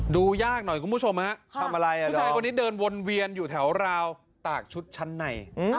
ดูยากหน่อยคุณผู้ชมฮะทำอะไรชายคนนี้เดินวนเวียนอยู่แถวราวตากชุดชั้นใน